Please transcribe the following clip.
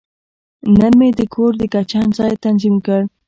نن مې د کور د کچن ځای تنظیم کړ.